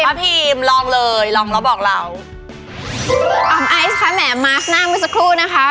ป้าพิมลองเลยลองแล้วบอกเราอ๋อของไอซ์ค่ะแหมมาสก์หน้ามันสักครู่นะคะ